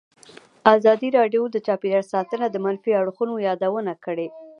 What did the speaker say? ازادي راډیو د چاپیریال ساتنه د منفي اړخونو یادونه کړې.